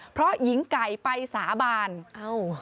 เพราะหญิงไก่ไปสาบานเอ้า